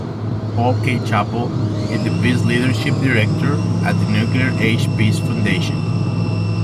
Paul K. Chappell is the Peace Leadership Director at the Nuclear Age Peace Foundation.